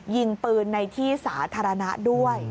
ยิงปืนในที่สาธารณะด้วย